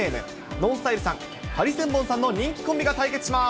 ＮＯＮＳＴＹＬＥさん、ハリセンボンさんの人気コンビが対決します。